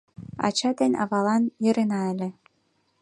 Ача ден авалан йӧрена ыле.